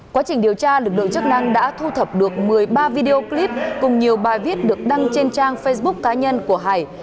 quá trình điều tra lực lượng chức năng đã thu thập được một mươi ba video clip cùng nhiều bài viết được đăng trên trang facebook cá nhân của hải